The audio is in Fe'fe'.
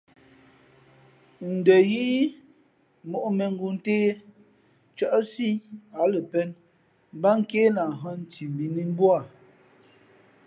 Ndα yíí mōʼ mēngoo ntě, ncάʼsǐ á lα pēn mbát nké lahhᾱ nthimbi nǐ mbū â.